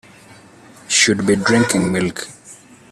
Should be drinking milk.